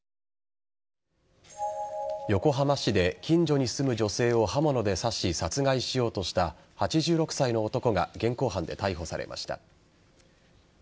横浜市で近所に住む女性を刃物で刺し、殺害しようとした８６歳の男が現行犯で逮捕されました。